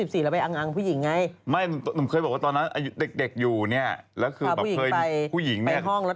พาผู้หญิงไปไปห้องแล้วทำอะไรไม่เป็น